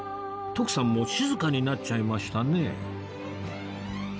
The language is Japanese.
徳さんも静かになっちゃいましたね